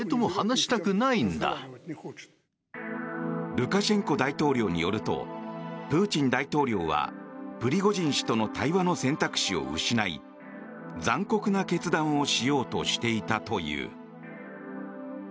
ルカシェンコ大統領によるとプーチン大統領はプリゴジン氏との対話の選択肢を失い残酷な決断をしようとしていたという。